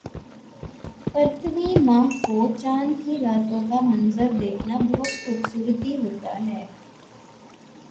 پرتھویں ماہ کو چاند کی راتوں کا منظر دیکھنا بہت خوبصورتی ہوتا ہے